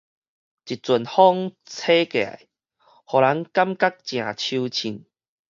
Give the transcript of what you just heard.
一陣風吹過來，予人感覺誠秋凊